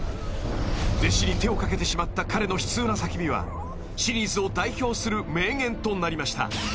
［弟子に手を掛けてしまった彼の悲痛な叫びはシリーズを代表する名言となりました］